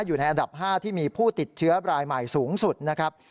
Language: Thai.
อยู่ในอันดับ๕ที่มีผู้ติดเชื้อรายใหม่สูงสุดนะครับ